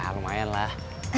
ya lumayan lah